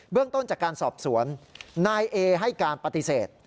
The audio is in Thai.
เรื่องต้นจากการสอบสวนนายเอให้การปฏิเสธ